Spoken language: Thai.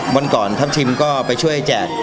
วันก่อนทัพทิมก็ไปช่วยแจก